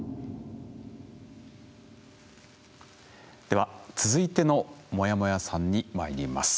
では続いてのモヤモヤさんにまいります。